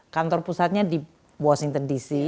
kantor pusatnya di washington dc